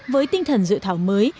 với tinh thần dự thảo mới